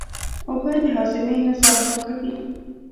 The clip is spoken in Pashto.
اوبه د هاضمې نظام پاکوي